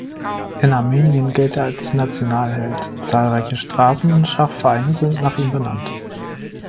In Armenien gilt er als Nationalheld, zahlreiche Straßen und Schachvereine sind nach ihm benannt.